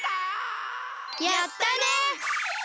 やったね！